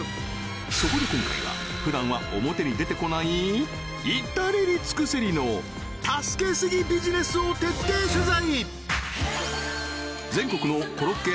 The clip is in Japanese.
そこで今回は普段は表に出てこない至れり尽くせりの助けすぎビジネスを徹底取材！